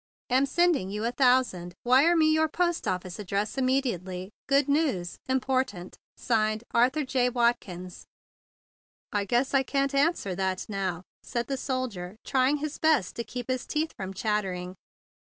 " Am sending you a thousand. Wire me your post office address immediately. Good news. Im¬ portant. "(Signed) "Arthur J. Watkins." "I guess I can't answer that now," said the soldier, trying his best to keep his teeth from chattering.